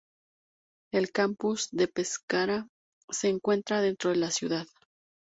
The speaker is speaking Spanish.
El Campus de Pescara se encuentra dentro de la ciudad.